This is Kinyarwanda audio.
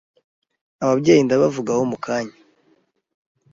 ababyeyi ndabavugaho mukanya